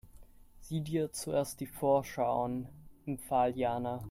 Sieh dir zuerst die Vorschau an, empfahl Jana.